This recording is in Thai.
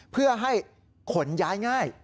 เพื่อให้ขนย้ายง่าย